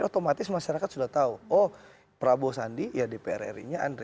otomatis masyarakat sudah tahu oh prabowo sandi ya dpr ri nya andre